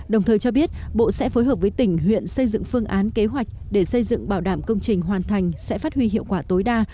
đồng thời cho biết bộ sẽ phối hợp với tỉnh huyện xây dựng phương án kế hoạch để xây dựng bảo đảm công trình hoàn thành sẽ phát huy hiệu quả tối đa